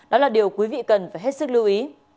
đó là điều quý vị cần phải hết sức lưu ý